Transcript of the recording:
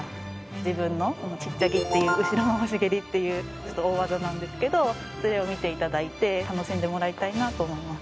自分のチッチャギっていう後ろ回し蹴りっていう大技なんですけどそれを見て頂いて楽しんでもらいたいなと思います。